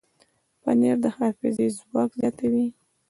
پنېر د حافظې ځواک زیاتوي.